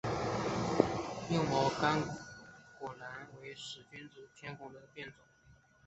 硬毛千果榄仁为使君子科诃子属千果榄仁的变种。